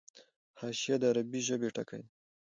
حاشیه د عربي ژبي ټکی دﺉ.